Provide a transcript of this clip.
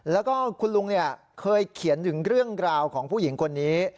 แล้วก็คุณลุงเคยเขียนถึงเรื่องราวของผู้หญิงคนนี้